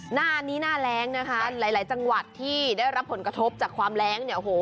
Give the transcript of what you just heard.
หน้านี้หน้าแรงนะคะหลายหลายจังหวัดที่ได้รับผลกระทบจากความแรงเนี่ยโอ้โห